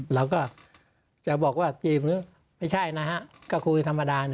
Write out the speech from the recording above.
เราก็จะบอกว่าจีบหรือไม่ใช่นะฮะก็คุยธรรมดา